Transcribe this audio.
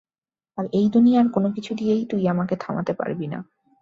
আর এই দুনিয়ার কোনো কিছু দিয়েই তুই আমাকে থামাতে পারবি না।